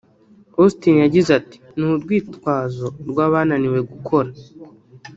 Austin yagize ati “ni urwitwazo rw’abananiwe gukora